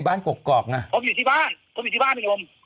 บ้านกรกกรอกน่ะผมอยู่ที่บ้านผมอยู่ที่บ้านพี่หนู